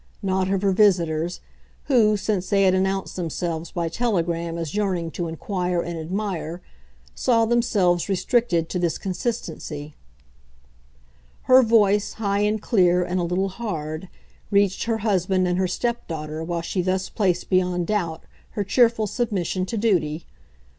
knot of her visitors, who, since they had announced themselves by telegram as yearning to inquire and admire, saw themselves restricted to this consistency. Her voice, high and clear and a little hard, reached her husband and her step daughter while she thus placed beyond doubt her cheerful submission to duty.